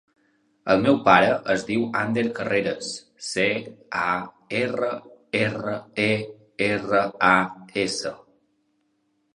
El meu pare es diu Ander Carreras: ce, a, erra, erra, e, erra, a, essa.